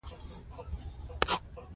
ماري کوري د سوربون پوهنتون محصله وه.